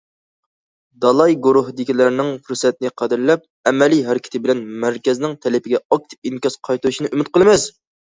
دالاي گۇرۇھىدىكىلەرنىڭ پۇرسەتنى قەدىرلەپ، ئەمەلىي ھەرىكىتى بىلەن مەركەزنىڭ تەلىپىگە ئاكتىپ ئىنكاس قايتۇرۇشىنى ئۈمىد قىلىمىز.